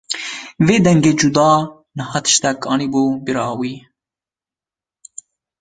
Vî dengê cuda niha tiştek anîbû bîra wî.